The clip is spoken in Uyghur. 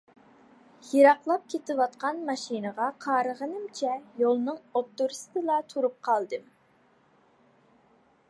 يىراقلاپ كېتىۋاتقان ماشىنىغا قارىغىنىمچە يولنىڭ ئوتتۇرىسىدىلا تۇرۇپ قالدىم.